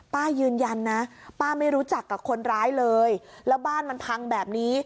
ป้ายืนยันนะป้าไม่รู้จักกับคนร้ายเลยแล้วบ้านมันพังแบบนี้